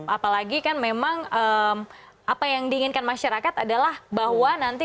apalagi kan memang apa yang diinginkan masyarakat adalah bahwa nanti